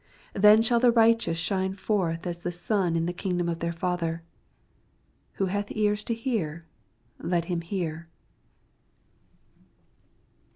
48 Then snail the righteous shine forth as the sun in the kingdom of their Father. Who hath ears to hear, let him hear.